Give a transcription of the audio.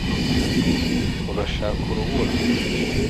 urashaka urubura